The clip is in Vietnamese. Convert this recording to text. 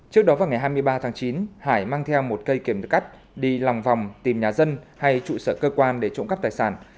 trước đó vào ngày hai mươi ba tháng chín hải mang theo một cây kiểm đất cắt đi lòng vòng tìm nhà dân hay trụ sở cơ quan để trộm cắp tài sản